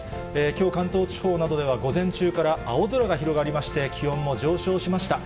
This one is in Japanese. きょう、関東地方などでは午前中から青空が広がりまして、気温も上昇しました。